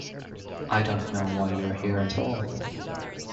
I don't know why you're here at all.